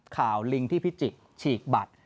ข่าวลิงที่พิจิกส์ฉีกบัตร